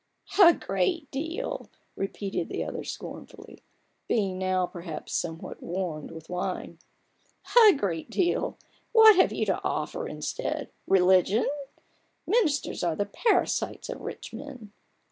" A great deal !" repeated the other, scornfully, being now, perhaps, somewhat warmed with wine. " A great deal ! what have you to offer instead ? Religion ? Ministers are the parasites of rich men.